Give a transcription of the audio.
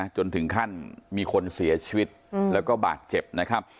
จนถึงขั้นมีคนเสียชีวิตแล้วก็บาดเจ็บนะครับ